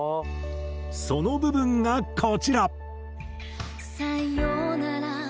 その部分がこちら。